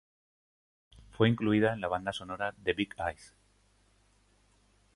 Fue incluida en la banda sonora de Big Eyes.